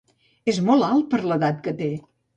És molt alt per l'edat que té.